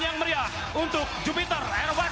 dan yang meriah untuk jupiter enam